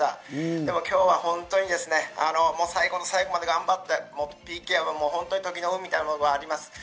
でも、今日は本当に最後の最後まで頑張ってＰＫは本当に時の運みたいなものがあります。